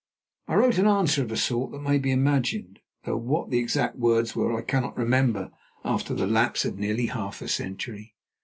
I wrote an answer of a sort that may be imagined, though what the exact words were I cannot remember after the lapse of nearly half a century.